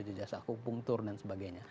sejajar sehaku pungtur dan sebagainya